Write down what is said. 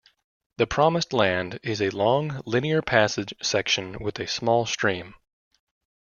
The "Promised Land" is a long, linear passage section with a small stream.